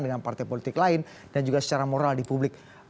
dengan partai politik lain dan juga secara moral di publik